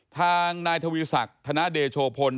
ทางนายทวิสักธนาเดชโภน